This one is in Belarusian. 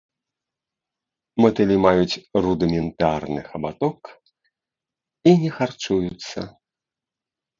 Матылі маюць рудыментарны хабаток і не харчуюцца.